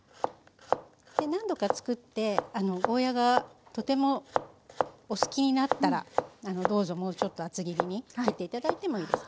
何度か作ってゴーヤーがとてもお好きになったらどうぞもうちょっと厚切りに切っていただいてもいいです。